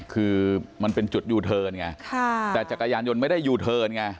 คือมันเป็นจุดยูเทิร์นไงแต่จักรยานยนต์ไม่ได้ยูเทิร์นไง